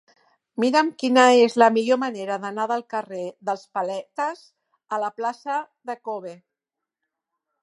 Mira'm quina és la millor manera d'anar del carrer dels Paletes a la plaça de K-obe.